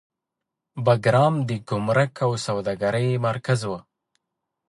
بګرام د ګمرک او سوداګرۍ مرکز و